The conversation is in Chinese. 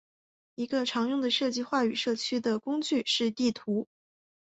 一个常用的设计话语社区的工具是地图。